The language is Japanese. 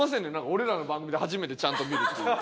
俺らの番組で初めてちゃんと見るっていう。